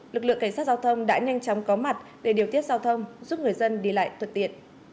lực lượng cảnh sát giao thông đã nhanh chóng có mặt để điều tiết giao thông giúp người dân đi lại thuận tiện